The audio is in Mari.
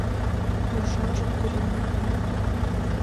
Уржажым тӱредна да